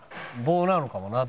棒なのかもな。